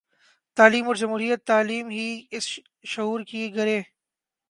تعلیم اور جمہوریت تعلیم ہی سے شعور کی گرہیں